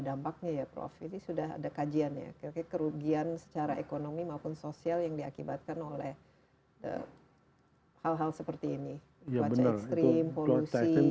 dampaknya ya profili sudah ada kajiannya kekerugian secara ekonomi maupun sosial yang diakibatkan oleh